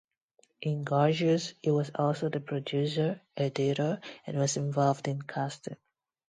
In "Gorgeous", he was also the producer, editor and was involved in casting.